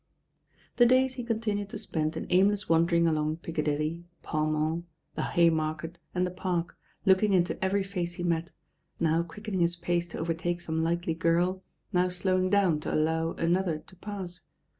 The days he continued to spend in aimless wan dering along Piccadilly, Pall Mall, the Haymarket, and the Park, looking into every face he met, now quickening his pace to overtake some likely girl, now slowing down to allow another to pass.